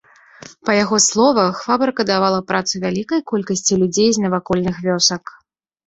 Па яго словах, фабрыка давала працу вялікай колькасці людзей з навакольных вёсак.